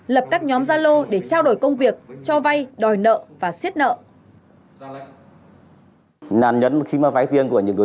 lập các nhóm gia lô để trao đổi công việc cho vay đòi nợ và xiết nợ